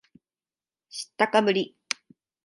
知ったかぶり